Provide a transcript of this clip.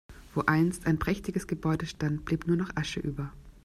Wo einst ein prächtiges Gebäude stand, blieb nur noch Asche über.